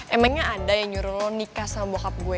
emangnya ada yang nyuruh lo nikah sama bokap gue